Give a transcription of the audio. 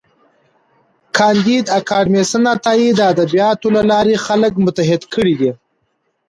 کانديد اکاډميسن عطايي د ادبياتو له لارې خلک متحد کړي دي.